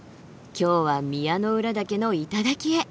今日は宮之浦岳の頂へ。